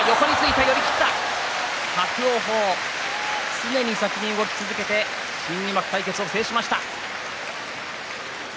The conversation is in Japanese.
常に先に動き続けて新入幕対決を制しました。